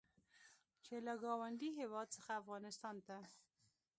چې له ګاونډي هېواد څخه افغانستان ته